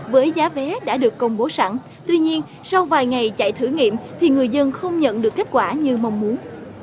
với giá vé đã được công bố sẵn tuy nhiên sau vài ngày chạy thử nghiệm thì người dân không nhận được kết quả như mong muốn